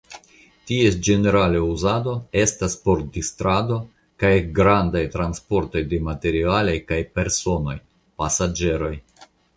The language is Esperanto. Ties ĝenerala uzado estas por distrado kaj grandaj transportoj de materialoj kaj personoj (pasaĝeroj).